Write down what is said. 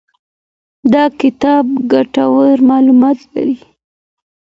دا کتاب ګټور معلومات لري.